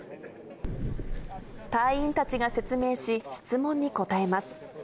隊員たちが説明し、質問に答えます。